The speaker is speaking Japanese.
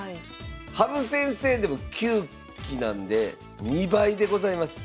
羽生先生でも９期なんで２倍でございます。